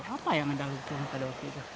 apa yang anda lakukan pada waktu itu